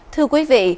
thưa quý vị